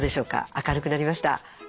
明るくなりました。